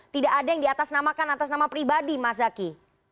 tidak ada yang diatasnamakan atas nama pribadi mas zaky